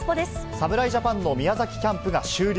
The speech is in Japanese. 侍ジャパンの宮崎キャンプが終了。